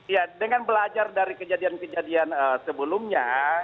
ya dengan belajar dari kejadian kejadian sebelumnya